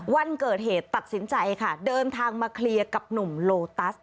วันเกิดเหตุตัดสินใจค่ะเดินทางมาเคลียร์กับหนุ่มโลตัส